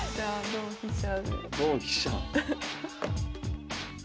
同飛車。